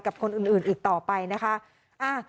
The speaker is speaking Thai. กับคนอื่นอีกต่อไปนะคะ